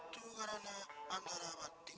tapi mau jual sapi